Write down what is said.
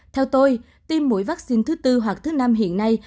theo tôi tiêm mũi vaccine thứ tư hoặc thứ năm hiện nay